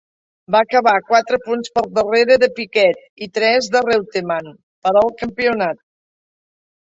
Va acabar quatre punts per darrere de Piquet i tres de Reutemann per al campionat.